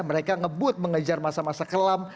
mereka ngebut mengejar masa masa kelam